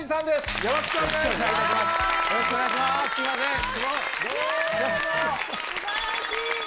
よろしくお願いします。